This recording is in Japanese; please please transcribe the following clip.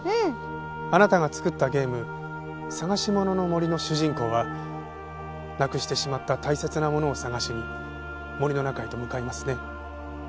あなたが作ったゲーム『さがしものの森』の主人公はなくしてしまった大切なものを捜しに森の中へと向かいますね。